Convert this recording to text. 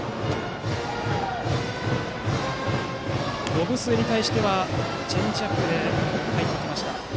延末に対してはチェンジアップで入りました。